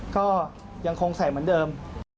ก็ยังคงใส่เหมือนเดิม